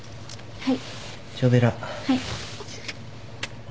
はい。